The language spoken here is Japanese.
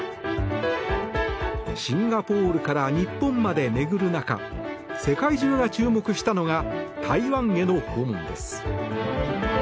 シンガポールから日本まで巡る中世界中が注目したのは台湾への訪問です。